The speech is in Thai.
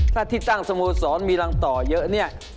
ถ้าที่ตั้งสโมสรมีรังต่อเยอะเนี่ย